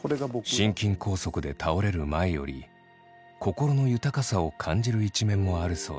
心筋梗塞で倒れる前より心の豊かさを感じる一面もあるそうです。